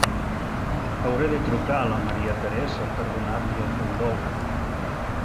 Hauré de trucar a la Maria Teresa per donar-li el condol.